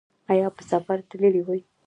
ایا په سفر تللي وئ؟